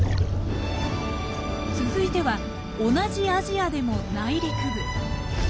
続いては同じアジアでも内陸部。